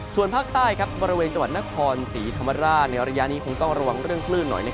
ส่วนภาคใต้บริเวณจังหวัดนครศรีธรรมราชในระยะนี้คงต้องระวังเรื่องคลื่นหน่อย